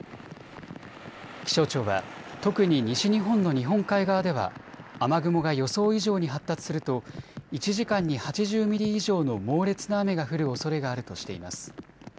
気象庁は特に西日本の日本海側では雨雲が予想以上に発達すると１時間に８０ミリ以上の猛烈な雨が降るおそれがあるとしています。